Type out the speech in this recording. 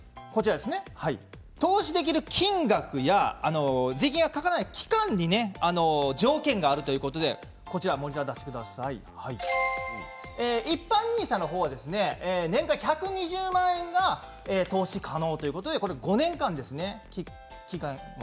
投資できる金額や税金がかからない期間に条件があるということで一般ＮＩＳＡは年間１２０万円が投資可能ということでそれが５年間ですね。